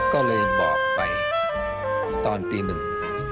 ก็เลยบอกไปตอนตีหนึ่ง